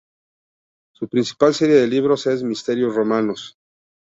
Su principal serie de libros es "Misterios romanos".